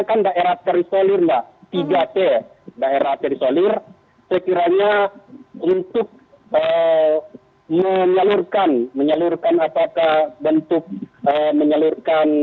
kan daerah terisolir mbak tiga c daerah terisolir saya kiranya untuk menyalurkan menyalurkan apakah bentuk menyalurkan